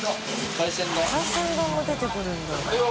海鮮丼も出てくるんだ。